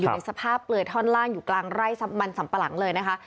อยู่ในสภาพเปลือยท่อนล่างอยู่กลางไร่มันสัมปะหลังเลยนะคะ